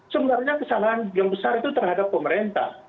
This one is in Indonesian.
sebenarnya kesalahan yang besar itu terhadap pemerintah